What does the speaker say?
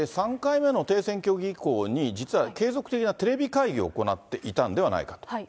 ３回目の停戦協議以降に、実は継続的なテレビ会議を行っていたんではないかと。